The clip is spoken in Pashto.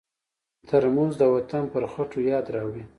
ترموز د وطن پر خټو یاد راوړي.